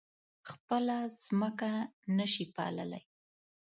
خپله ځمکه نه شي پاللی.